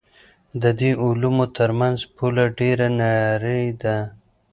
د دې علومو ترمنځ پوله ډېره نرۍ ده.